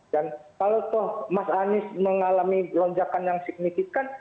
dan kalau toh mas anies mengalami lonjakan yang signifikan